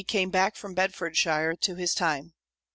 came back from Bedfordshire to his time.